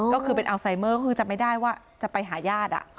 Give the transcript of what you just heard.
ก็คือเป็นอัลไซเมอร์ก็คือจำไม่ได้ว่าจะไปหาญาติ